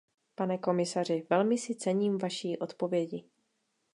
Pane komisaři, velmi si cením vaší odpovědi.